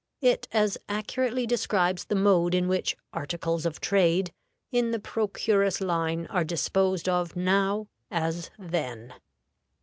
It as accurately describes the mode in which "articles of trade" in the procuress line are disposed of now as then.